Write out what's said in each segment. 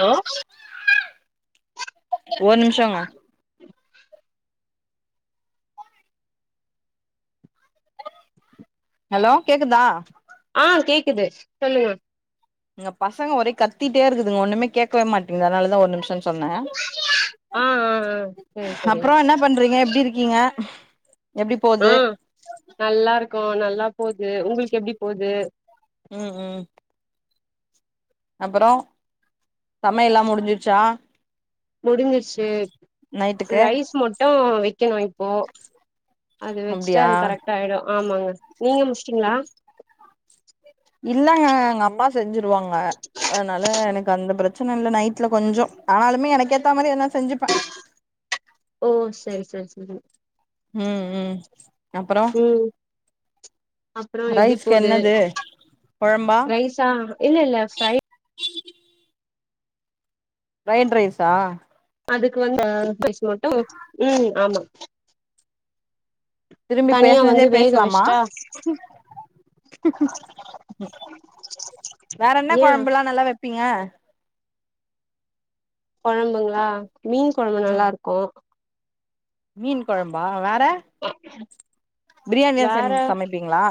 hello ஒரு நிம்ஷோங்க hello கேக்குதா ஆ கேக்குது சொல்லுங்க இங்க பசங்க ஒரே கத்திட்டே இருக்குதுங்க ஒண்ணுமே கேக்கவே மாட்டேங்கிது அதனால தா ஒரு நிம்ஷோன் சொன்ன ஆ ஆ ஆ செரி செரி அப்புறோ என்ன பண்றீங்க எப்டி இருக்கீங்க எப்டி ஆ போது நல்லா இருக்கோ நல்லா போது உங்களுக்கு எப்டி போது ம் ம் அப்பறோ சமையல்லா முடிஞ்சிருச்சா முடிஞ்சிருச்சி நைட்டுக்கு ரைஸ் மட்டு வெக்கனு இப்போ அது வெச்ட்டா அப்டியா அது கரெக்டாயிடு ஆமாங்க நீங்க முச்ட்டீங்களா இல்லங்க எங்க அம்மா செஞ்ஜிருவாங்க அதனால எனக்கு அந்த பிரச்சன இல்ல நைட்ல கொஞ்சோ ஆனாலுமே எனக்கு ஏத்த மாரி எதுனா செஞ்சுப்ப ஓ செரி செரி செரி ம் ம் அப்றோ ம் அப்புறோ எப்டி ரைஸ்க்கு என்னது கொழம்பா தா இல்ல இல்ல ப்ரை ஃப்ரைட் ரைஸா அதுக்கு வந்து அ டிஸ் மட்டு ம் ஆமா திரும்பி தனியா பேசனதே வந்து வேக பேசலாமா வச்சுட்டா வேற என்ன ஏ கொழம்புல்லா நல்லா வெப்பீங்க கொழம்புங்ளா மீன் கொழம்பு ம் நல்லாருக்கு மீன் கொழம்பா வேற பிரியாணியா செம் வேற சமைப்பீங்ளா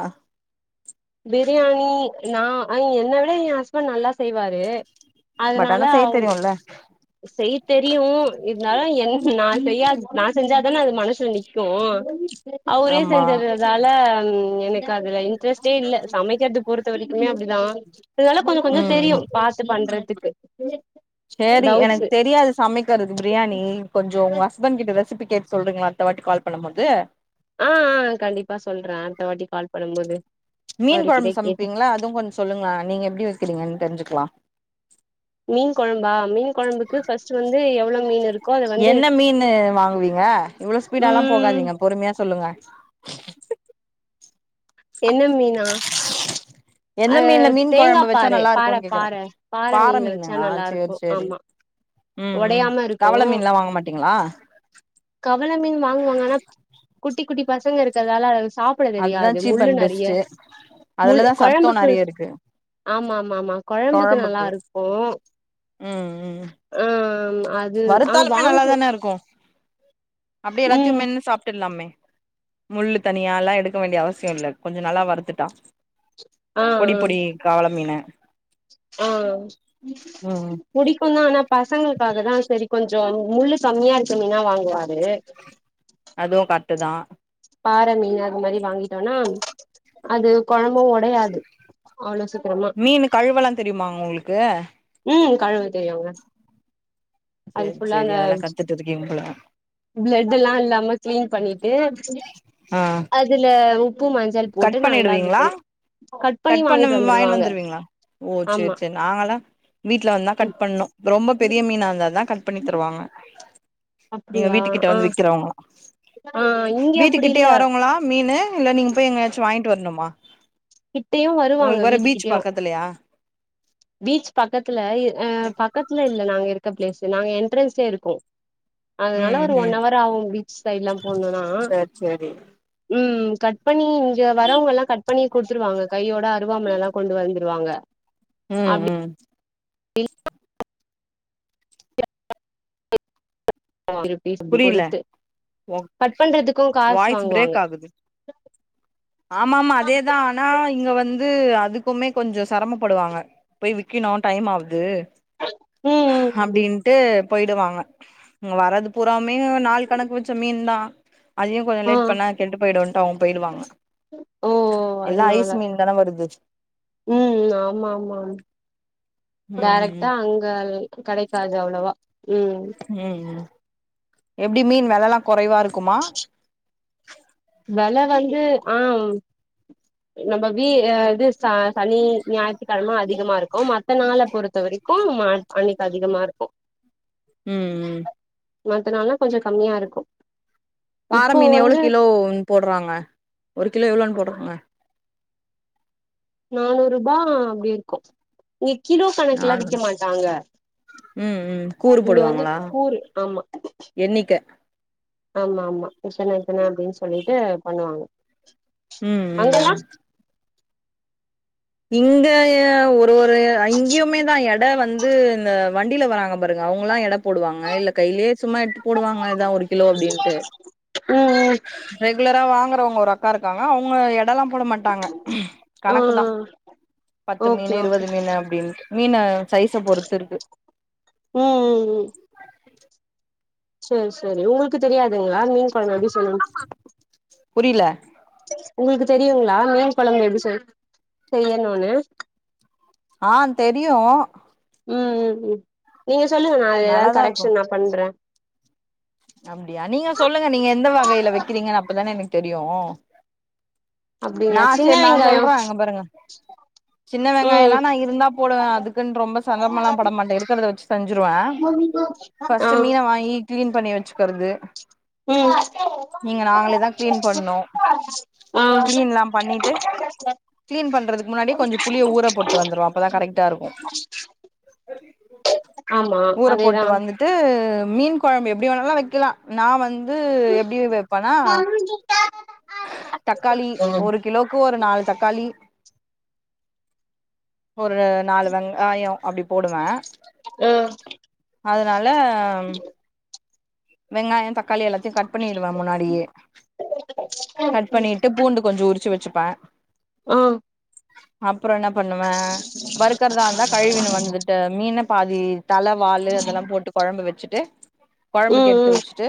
பிரியாணி நா அ என்ன விட எ ஹஸ்பண் நல்லா செய்வாரு பட் அதனால ஆனா செய்ய அவரு தெரியும்ல செய்ய தெரியு இருந்தாலு என் நா செய்யா நா செஞ்சா தான அது மனசுல நிக்கு அவுரே ஆமா செஞ்சிர்றதால எனக்கு அதுல இன் ட்ரெஸ்ட்டே இல்ல சமைக்கிறது பொறுத்த வரைக்குமே அப்டிதா இருந்தாலு கொஞ்சோ கொஞ்சோ ம் தெரியு பாத்து பண்றதுக்கு குமே சேரி எனக்கு தெரியாது சமை க்கிறது பிரியாணி கொஞ்சோ உங்க ஹஸ்பண்ட் கிட்ட ரெஸிபி கேட்டு சொல்றீங்களா அடுத்த வாட்டி கால் பண்ணம் போது ஆ ஆ கண்டிப்பா சொல்றே அடுத்த வாட்டி கால் பண்ணும் போது மீன் கொழம்பு சமைப்பீங்களா அதுவும் கொஞ்சோ சொல்லுங்களே நீங்க எப்டி வைக்கிறீங்கன் தெரிஞ்சுக்கலா மீன் கொழம்பா மீன் கொழம்புக்கு ஃபர்ஸ்ட் வந்து எவ்ளோ மீன் இருக்கோ அத வந்து என்ன மீன்னு வாங்குவீங்க இவ்ளோ ஸ்பீடாலா ம் போகாதீங்க பொறுமையா சொல்லுங்க என்ன மீனா என்ன அ மீன்ல மீன் தேங்கா கொழம்பு வச்சா பாற நல்லா பாற இருக்குன் கேக்குறே பாற பாற மீன்ல வச்சா மீன்ங்களா நல்லா இருக்கு சேர் சேரி ஆமா ம் ம் ஒடையாம இருக்கு கவல மீன்லா வாங்க மாட்டீங்களா கவல மீன் வாங்குவங்க ஆனா குட்டி குட்டி பசங்க இருக்கறதால அத சாப் ட அதுதா தெரியாது சீப் முள்ளு அண்ட் நெறையா பெஸ்ட்டு முள் அதுலதா சத்தோ கொழம்புக்கு நெறைய இருக்கு ஆமா ஆமா ஆமா கொழம்புக்கு நல்லா இருக் ம் ம் ஆமா வறுத்தாலுமே நல்லாதான இருக்கு அப்டியே எல்லாத்தயு ம் மென்னு சாப்ட்டுர்லாமே முள்ளு தனியால்லா எடுக்க வேண்டிய அவசியோ இல்ல கொஞ்சோ நல்லா வறுத்துட்டா ஆ பொடி பொடி கவல மீன ஓ ம் புடிக்குந்தா ஆனா பசங்களுக்காகதா சேரி கொஞ்சோ முள்ளு கம்மியா இருக்க மீனா வாங்குவாரு அதுவு கரட்டுதா பாற மீன் அது மாரி வாங்கிட்டோன்னா அது கொழம்பு ஒடையாது அவ்ளோ சீக்கிரமா மீன் கழுவெல்லா தெரியுமாங்க ஒங்களுக்கு ம் கழுவ தெரியுங்க அது சேரி ஃபுல்லா சேரி அந்த அதெல்லா கத்துட்டு இருக்கீங்க போல பிளட்டுல்லா இல்லாம கிளீன் பண்ணிட்டு ஆ அ துல உப்பு மஞ்சள் போட்டு கட் நல்லா இது பண்ணிடுவீங்களா பண்ணி பண்ணி கட் பண்ண வாங்கிட்டு வாங்கின்னு வந்துருவாங்க வந்துருவீங்களா ஓ ஆமா சேர் சேரி நாங்கல்லா வீட்ல வந்துதா கட் பண்ணனு ரொம்ப ம் பெரிய மீனா இருந்தாதா கட் பண்ணி தருவாங்க எங்க அப்டியா வீட்டுகிட்ட ஆ வந்து வி்க்றவங்களா ஆ இங்க அப்டி வீட்டுக்கிட்டயே இல்ல வருங்களா மீனு இல்ல நீங்க போய் எங்கயாச்சு வாங்கிட்டு வரணுமா கிட்டயு வருவாங்க ஒங்களுக்கு வேற பீச் வீட்டுக்கிட்டயு பக்கத்துலயா பீச் பக்கத்துல இ அ பக்கத்துல இல்ல நாங்க இருக்க பிளேஸ் நாங்க என்ட்ரன்ஸ்லயே இருக்கோ அதுனால ம் ஒரு ஒன் ம் அவர் ஆகு பீச் சைடு்லா போணுன்னா சேரி சேரி ம் கட் பண்ணி இங்க வரவுங்கலா கட் பண்ணி குடுத்துருவாங்க கையோட அருவாமனலா கொண்டு வந்துருவாங்க ம் அப்டி ம் ஆ இது ஒரு பீஸ் அப்டி புரியல பொறுத்து ஒ கட் பண்றதுக்கு காசு வாய்ஸ் வாங்குவாங்க பிரேக் ஆகுது ஆமா ஆமா அதேதா ஆனா இங்க வந்து அதுக்குமே கொஞ்சோ செரமப்படுவாங்க போய் விக்கிணு டைம் ஆவுது ம் ம் அப்டின்ட்டு போய்டுவாங்க இங்க வர்றது பூராவுமே நாள் கணக்கு வச்ச மீன்தா அதையு கொஞ்சோ ஆ ஆ லேட் பண்ணா கெட்டு போய்டுன் டோ ஒம் போயிடுவாங்க ஓ எல்லா ஐஸ் மீன் தான வருது உம் உம் ஆமா ஆமா ம் ம் டேரக்டா அங்க கடை சாஜ் அவ்ளவா உம் ம் ம் எப்டி மீன் வெலலா கொறைவா இருக்குமா வெல வந்து ஆம் நம்ம வீ ஏ இது சா சனி ஞாயித்துக்கெழம அதிகமா இருக்கு மத் த நாள பொறுத்த வரைக்கு மாட் அன்னைக்கு அதிகமா இருக்கு ம்ம் மத்த நாள்னா கொஞ்ச கம்மியா இருக்கு பார இப்போ மீன் எவ்ளோ வந்து கிலோனு போட்றாங்க ஒரு கிலோ எவ்ளோன்னு போடுறாங்க நானூறு ரூபா அப்டி இருக்கு இங்க கிலோ கணக்குலா நானு விக்க மாட்டாங்க ம் ம் கூறு இங்க வந்து போடுவாங்களா கூரு ஆமா எண்ணிக்க ஆம்மா ஆம்மா விசன எத்தன அப்டின்னு சொல்லிட்டு பண்ணுவாங்க ம் அங்கல்லா ம் இங்க க ய ஒரு ஒரு அங்கியுமே தா எட வந் து இந்த வண்டில வராங்க பாருங்க அவங்கல்லா எட போடுவாங்க இல்ல கையிலயே சும்மாட்டு போடுவாங்க அதா ஒரு கிலோ அப்டின்ட்டு ம் ம் ரெகு ரெலரா வாங்குறவங்க ஒரு அக்கா இருக்காங்க அவங்க எடலா போட மாட்டாங்க ஆ கணக்கு தா பத்து ஓகே மீன் ஓகே இருவது மீன் அப்டின்டு மீன சைஸ பொறுத்துருக்கு உம் ம் ம் உம் சேர் சேரி உங்களுக்கு தெரியாதுங்ளா மீன் குழம்ப எப்டி செய்னு புரில உங்ளுக்கு தெரியுங்ளா மீன் கொழம்பு எப்டி செய் செய்யணுன்னு ஆ தெரியு ம் ம் உம் நீங்க சொல்லுங்க நா ஏதாவது நல்லாதா இருக்கு கரெக்ஷன்னா பண்ற அப்டியா நீங்க சொல்லுங்க நீங்க எந்த வகையில வக்கிறீங்கன்னு அப்பதான எனக்கு தெரியோ அப்டிங்களா நா சின்ன சேர் நா வெங்காயோ சொல்ற அங்க பாருங்க சின்ன ம் வெங்காயலா நா இருந்தா போடுவ அதுக்குன்டு ரொம்ப சங்கமேலா படமாட்ட இருக்கறத வச்சி செஞ்சுருவ ஆ ஃபர்ஸ்ட் மீன வாங்கி க்ளீன் பண்ணி வச்சுக்கறது ம் நீங்க நாங்களே தா க்ளீன் பண்ணு ஆ கிளீன்லா பண்ணிட்டு கிளீன் பண்றதுக்கு முன்னாடியே கொஞ்சோ புளிய ஊர போட்டு வந்துருவ அப்பதா கரெக்டா இருக்கு இந்த [inaudible] ஆமா அதேதா ட்டு மீன் கொழம்பு எப்டி வேணாலு வெக்கலா நா வந் து எப்டி வெப்பனா தக்காளி ம் ஒரு கிலோக்கு ஒரு நாலு தக்காளி ஒரர் நாலு வெங்காயோ அப்டி போடுவ ஆ அதனால அம் வெங்காயோ தக்காளி எல்லாத்தையு கட் பண்ணிருவ முன்னாடியே பண்ணிட்டு பூண்டு கொஞ்சோ உரிச்சு வச்சுப்ப ஆம் அப்ரோ என்னா பண்ணுவ வருறுக்கர தா இருந்தா கழுவீனு வந்துட்டு மீன பாதி தல வாலுஅதலா போட்டு கொழம்பு வச்சிட்டே கொழம்புக்கு எடுத்து ம் ம் வச்சுட்டு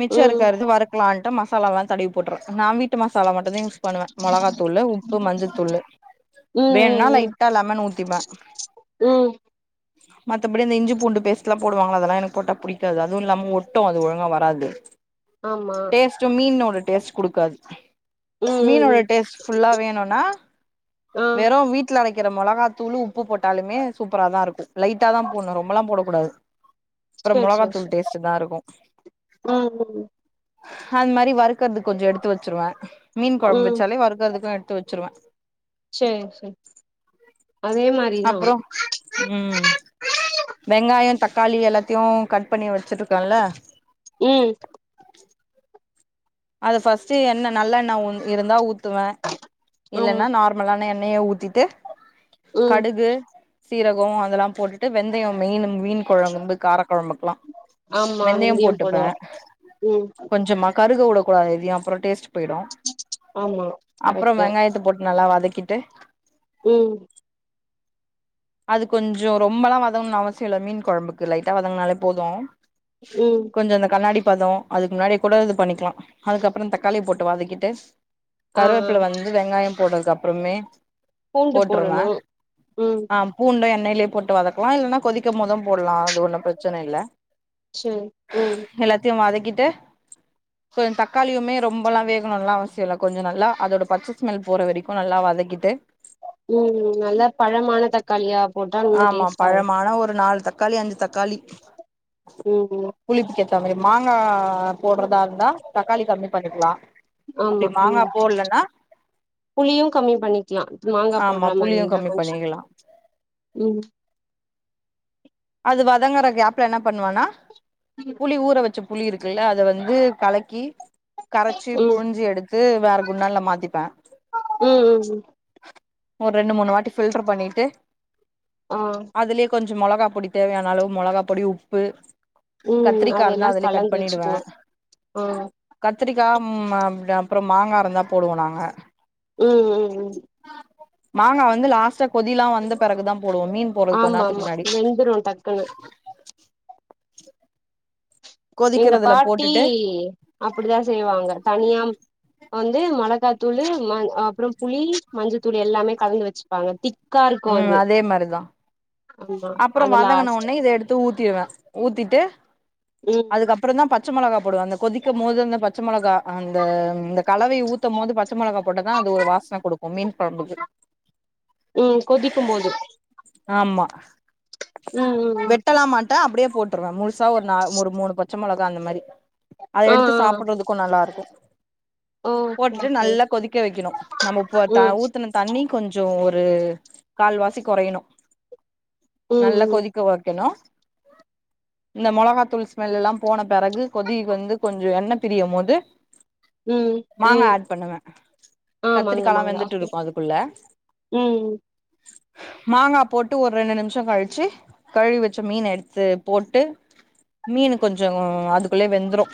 மிச்ச ம் இருக்கறது வருக்கலான்ட்டு மசாலாலா தடவி போட்றுற நா வீ ட்டு மசாலா மட்டுந்தா யூஸ் பண்ணுவ மொளகா தூளு உப்பு மஞ்சத்தூளு ம் ம் வேண்னா ம் லைட்டா லெமன் ஊத்திப்ப ம் மத்தபடி இந்த இஞ்சி பூண்டு பேஸ்ட்லா போடுவாங்களா அதெல்லா எனக்கு போட்ட புடிக் காது அதுவு இல்லாம ஒட்டு அது ஒழுங்கா வராது ஆமா டேஸ்ட்டு மீனோட டேஸ்ட் குடுக்காது ம் ம் மீனோட ம் டேஸ்ட் ஃபுல்லா வேணுனா ஆ வெறும் மீன் வீட்டுல அரைக்கிற மொளகாத்தூளு உப்பு போட்டாலுமே சூப்பரா தா இருக்கு லைட்டா தா போன்ணு ரொம்பல்லா போட கூடாது செர் செர் செர் ஸ்ட்டு தா இருக்கு அந்த மாரி வறுக்கறது கொஞ்சோ எடுத்து வச்சருவே மீன் கொழம்பு ம் வச்சாலே வறுக்கறதுக்கு எடுத்து வச்ச ச்சுருவ செர் செர் அதே மாரி தா அப்றோ ம் வெங்காயோ தக்காளி எல்லாத்தியு கட் பண்ணி வச்சுருக்கல்ல ம் அது ஃபஸ்ட்டு என்ன நல்லெண்ண உ இருந்தா ஊத்துவ ஆமா இல்லன்னா நார் மலான எண்ணெயெ ஊத்திட்டு ம் கடுகு சீரகம் அதுல்லா போட்டுட்டு வெந்தயம் மெயின் மீன் கொழம்பு கார கொழம்புக்குல்லா ஆமா வெந்தயம் வெந்தியம் போட்டுப்ப போடுவோ ம் கொஞ்சமா கருக உடக்கூடாது எதையு அப்புறோ டேஸ்ட் போயிடு ஆமா அப்புறோ கரெக்ட்டு வெங்காயத்த போட்டு நல்லா வதக்கிட் ட்டு ம் [inaudible] அது கொஞ்சோ ரொம்பல்லா வதங்ணு அவசியோ இல்ல மீன் கொழம்புக்கு லைட்டா வதங்குனாலே போது ம் கொஞ்சு அந்த கண்ணாடி பதோ அதுக்கு முன்னாடியே கூட இது பண்ணிக்கலா அதுக்கப்புறோ தக்காளிய போட்டு வதக்கிட்டு ஆ ஆ கருவேப்பில வந்து வெங்காயம் போடுறதுக்ப்புறமே பூண்டு போட்டுருமா போடணு ம் ஆம் பூண்டு எண்ணெய்லயே போட்டு வதக்கலா இல்லன்னா கொதிக்க மோது போடலா அது ஒன்னு பிரச்சன இல்ல செரி ம் எல்லாத்தியு வதக்கிட்டு சோ இன் தக்காளியுமே ரொம்பல்லா வேகணும்லா அவசியோ இல்ல கொஞ்சு நல்லா அதோட பச்ச ஸ்மல் போற வரைக்கு நல்லா வதக்கிட்டு [inaudible] ம் நல்லா பழமான தக்காளியா போட்டா ரொம்ப ஆமா டேஸ்ட்டா ருக் பழம் ஆனா ஒரு நால் தக் காளி அஞ்சு தக்காளி ம் ம் புளிப்புக்கு ஏத்த மாரி மாங்கா ம் போடுறதா இருந்தா தக்காளி கம்மி பண்ணிக்கலா அப்டி ஆமா மாங்கா ம் போடல்லன்னா புளியு கம்மி பண்ணிக்கலா மாங்கா ஆமா போட்ற மாரி புளியு இந்தா கம்மி கொஞ்சு பண்ணிக்கலா ம் அது வதங்குற கேப்ல என்ன பண்ணுலானா புளி ஊற வச்சுப் புளி இருக்குல்ல அத வந்து கலக்கி கரச்சி ம் புழிஞ்சி எடுத்து வேற குண்டான்ல மாத்திப்ப ம் ம் ம் ஒரு ரெண்டு மூணு வாட்டி ஃபில்டர் பண்ணிட்டு ஆ அதுலயே கொஞ்சு மொளகா பொடி தேவயான அளவு மொளகா பொடி உப்பு ம் கத்திரிக்கா அதெல்லா ருந்தா அதுலயே கட் கலந்து பண்ணிடுவ வச்சுக்கணு ஆ கத்திரிக்கா ம் அப் அப்றம் மாங்கா இருந்தா போடுவோ நாங்க ம் ம் ம் மாங்கா வந்து லாஸ்ட்டா கொதில்லா வந்த பெறகு தா போடுவோ மீன் போடுறதுக்கு கொஞ்ச ஆமா நேரத்துக்கு ஆமா முன்னாடி வெந்துரு டக்குனு எங்க கொதிக்கிறதுல பாட்டி போட்டுட்டு அப்டிதா செய்வாங்க தனியா வந்து மொளகாத்தூளு மஞ் அப்றோ புளி மஞ்சத்தூளு எல்லாமே கலந்து வச்சுப்பாங்க திக் ம் அதே மாரிதா ஆமா அப்றோ அது வதங்கன லாஸ்ட் உன்னே இத எடுத்து ஊத்திருவ ஊத்திட்டு ம் அதுக்கப்றதா பாத் ச்ச மொளகா போடுவோ அந்த கொதிக்க மோது அந்த பச்ச மொளகா அந்த இந்த கலவைய ஊத் த போது பச்ச மொளகா போட்டதா அது ஒரு வாசன குடுக்கு மீன் கொழம்புக்கு ம் கொதிக்கு போது ஆம்மா ம் ம் ம் வெட்டலா மாட்ட அப்டியே போட்ருவே முழு சா ஒரு நா ஒரு மூணு பச்ச மொளகா அந்த மாரி அது ஆ ஆ எடுத்து சாப்புறதுக்கு நல்லாருக்கு ஓ சரி போட்டுட்டு சரி நல்லா கொதிக்க வெக்கணும் நம்ப போ த ம் ஊத்துன தண்ணி கொஞ்ச ஒரு கால்வாசி கொறையனு நல்ல ம் ம் கொதிக்க வக்கினு இந்த மொளகாத்தூள் ஸ்மெல்லுல்லா போன பெறகு கொதி வந்து கொஞ்ச எண்ணெ பிரியு மோது ம் மாங்கா மீன் ஆட் பண்ணுவே ஆமாங்க கத்திரிக்காலா ஆமாங்க வெந்துட்டு ஓகே இருக்கு அதுக்குள்ள ம் மாங்கா போட்டு ஒரு ரெண்டு நிம்ஷோ கழிச்சி கழுவி வச்ச மீன் எடுத்து போட்டு மீனு கொஞ்ச அதுக்குள்ள வெந்துரு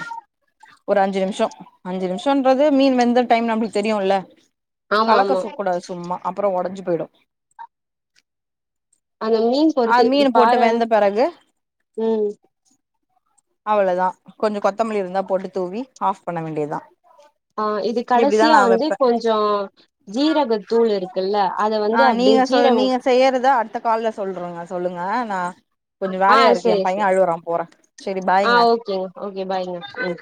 ஒரு அஞ்சு நிம்ஷோ அஞ்சு நிம்ஷோன்றது மீன் வெந்த டைம் நம்புளுக்கு தெரியுல்ல ஆமா கலக்க ஆமா சூக்கூடாது சும்மா அப்றோ ஒடஞ்சி போய்டு அந்த மீன் பொறுத்து அது மீனு போட்டு பாற வெந்த பெறகு ம் அவ்ளோதா கொஞ்ச கொத்தமல்லி இருந்தா போட்டு தூவி ஆஃப் பண்ண வேண்டிய தா ஆ இது கடசியா வந்து கொஞ்சோ ஜீரகத்தூள் இருக்குல்ல அத வந்து அப்டியே ஜீரகோ த அடுத்த கால்ல சொல்றங்க சொல்லுங்க நா கொஞ்ச ஆ வேலையா இருக்கு எ சரி பைய சரி அழுவுறா போற சேரி பாய்ங் ஆ ஓகேங்க ஓகே பாய்ங்க ம்